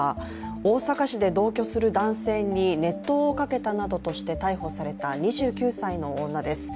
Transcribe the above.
大阪市で、同居する男性に熱湯をかけたなどとして逮捕された２９歳の女です。